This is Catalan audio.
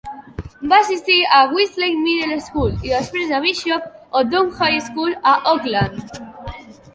Va assistir a Westlake Middle School i després a Bishop O'Dowd High School, a Oakland.